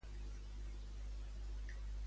Què es mesclava al darrere?